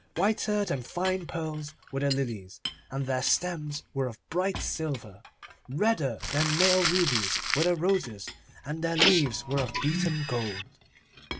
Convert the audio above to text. Whiter than fine pearls were the lilies, and their stems were of bright silver. Redder than male rubies were the roses, and their leaves were of beaten gold.